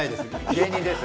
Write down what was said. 芸人です。